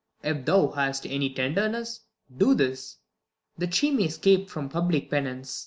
If thou hast any tenderness Do this, that she may scape from public penance.